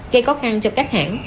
gây khó khăn cho các hãng